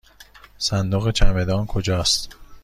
صندوق چمدان کجاست؟